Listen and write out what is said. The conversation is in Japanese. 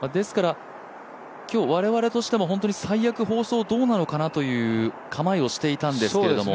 今日、我々としても最悪放送どうなのかなという構えをしていたんですけども。